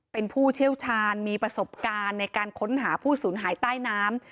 เป็นผู้เชี่ยวชาญมีประสบการณ์ในการค้นหาผู้สูญหายใต้น้ำ